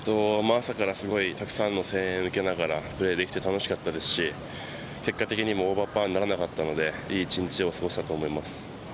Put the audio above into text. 朝からすごい、たくさんの声援を受けながらプレーできて楽しかったですし結果的にもオーバーパーにならなかったのでいい一日を過ごせたと思います。